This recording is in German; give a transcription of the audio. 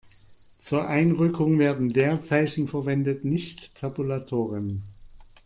Zur Einrückung werden Leerzeichen verwendet, nicht Tabulatoren.